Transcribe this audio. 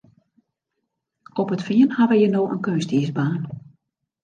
Op it Fean ha we hjir no in keunstiisbaan.